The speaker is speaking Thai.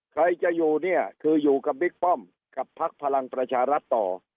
ใครจะอยู่เนี่ยคืออยู่กับบิ๊กป้อมกับพักพลังประชารัฐต่อ